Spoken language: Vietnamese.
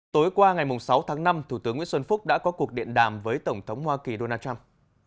tối qua ngày sáu tháng năm thủ tướng nguyễn xuân phúc đã có cuộc điện đàm với tổng thống hoa kỳ donald trump